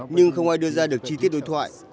nhưng không ai đưa ra được chi tiết đối thoại